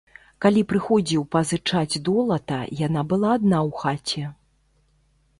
Калі прыходзіў пазычаць долата, яна была адна ў хаце.